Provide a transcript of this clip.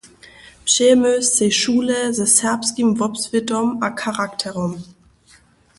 Přejemy sej šule ze serbskim wobswětom a charakterom.